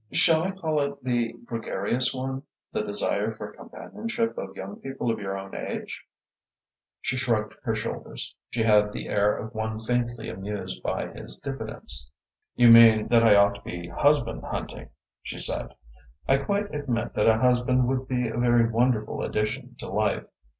"Shall I call it the gregarious one, the desire for companionship of young people of your own age?" She shrugged her shoulders. She had the air of one faintly amused by his diffidence. "You mean that I ought to be husband hunting," she said. "I quite admit that a husband would be a very wonderful addition to life.